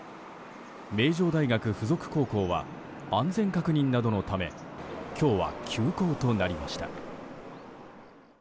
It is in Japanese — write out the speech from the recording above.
名城大学附属高校は安全確認などのため今日は休校となりました。